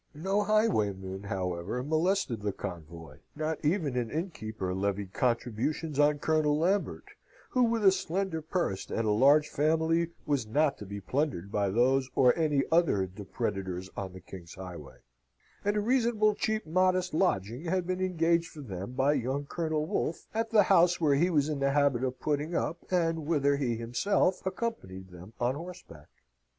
No highwayman, however, molested the convoy; not even an innkeeper levied contributions on Colonel Lambert, who, with a slender purse and a large family, was not to be plundered by those or any other depredators on the king's highway; and a reasonable cheap modest lodging had been engaged for them by young Colonel Wolfe, at the house where he was in the habit of putting up, and whither he himself accompanied them on horseback.